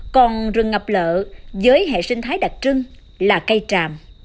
còn rừng ngập lợ với hệ sinh thái đặc trưng là cây tràm